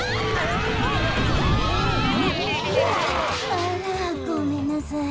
あらごめんなさい。